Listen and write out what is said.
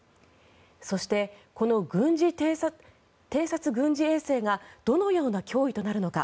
そして、この偵察軍事衛星がどのような脅威となるのか。